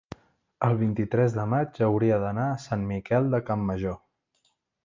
el vint-i-tres de maig hauria d'anar a Sant Miquel de Campmajor.